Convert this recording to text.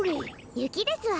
ゆきですわ。